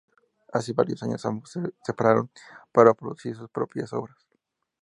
Hace varios años ambos se separaron para producir sus propias obras.